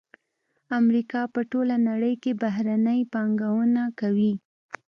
امریکا په ټوله نړۍ کې بهرنۍ پانګونه کوي